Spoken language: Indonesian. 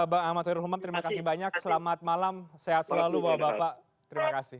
bang ahmad terima kasih banyak selamat malam sehat selalu bapak bapak terima kasih